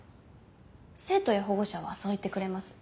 生徒や保護者はそう言ってくれます。